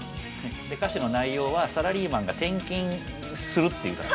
歌詞の内容はサラリーマンが転勤するっていうか。